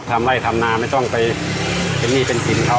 ทำไล่ทำนาไม่ต้องไปเป็นหนี้เป็นสินเขา